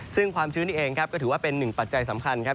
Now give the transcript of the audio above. ซึ่งความชื้นนี่เองครับก็ถือว่าเป็นหนึ่งปัจจัยสำคัญครับ